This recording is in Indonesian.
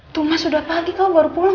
tuh mas sudah pagi kamu baru pulang